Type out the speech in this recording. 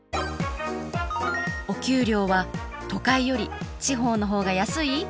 お給料は都会より地方の方が安い？